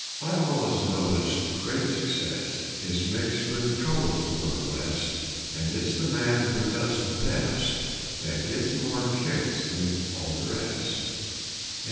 I've allus noticed grate success Is mixed with troubles, more er less, And it's the man who does the best That gits more kicks than all the rest.